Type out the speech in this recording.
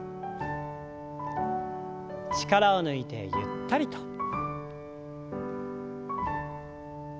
力を抜いてゆったりと。